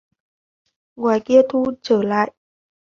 Ngoài kia thu trở lại